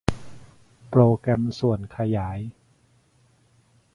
โปรแกรมส่วนขยาย